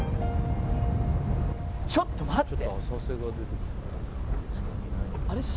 ちょっと待って！